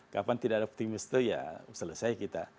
kapan tidak ada optimis itu ya selesai kita